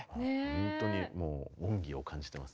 本当にもう恩義を感じてます